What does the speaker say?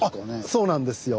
そうなんですよ。